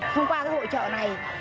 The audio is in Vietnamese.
thông qua hội trợ này